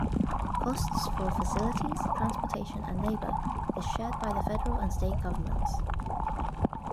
Costs for facilities, transportation, and labour is shared by the federal and state governments.